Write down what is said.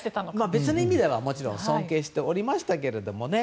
別の意味ではもちろん尊敬していましたけど。